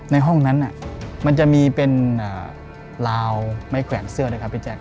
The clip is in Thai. ในห้องนั้นมันจะมีเป็นลาวไม้แขวนเสื้อด้วยครับพี่แจ๊